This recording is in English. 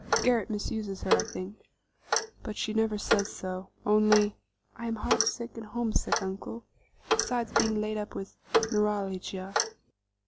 Garret misuses her, I think, but she never says so; only 'I am heartsick and homesick, uncle, besides being laid up with neuralgia.